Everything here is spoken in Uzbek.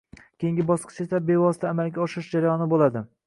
Keyingi bosqich esa bevosita amalga oshirish jarayoni boʻladi